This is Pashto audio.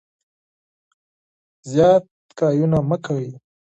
اضافي خبرې مه کوئ.